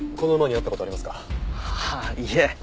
ああいえ。